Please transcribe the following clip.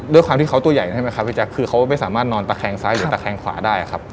ด้วยความที่ตัวใหญ่เขาไม่สามารถนอนตะแคงซ้ายหรือตะแคงขวาได้